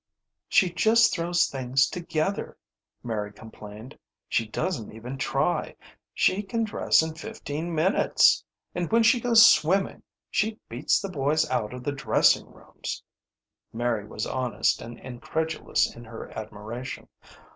"She just throws things together," Mary complained. "She doesn't even try. She can dress in fifteen minutes, and when she goes swimming she beats the boys out of the dressing rooms." Mary was honest and incredulous in her admiration.